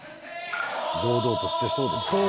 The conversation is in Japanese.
堂々としてそうですけどね。